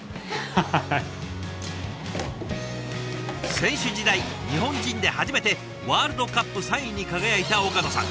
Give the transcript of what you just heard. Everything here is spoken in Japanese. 選手時代日本人で初めてワールドカップ３位に輝いた岡野さん。